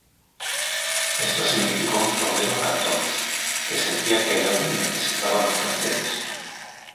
Esto significó un problema para Thomas, que sentía que el álbum necesitaba más canciones.